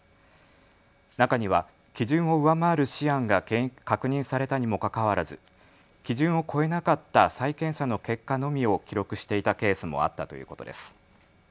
中には基準を上回るシアンが確認されたにもかかわらず基準を超えなかった再検査の結果のみを記録していたケースもあったということです。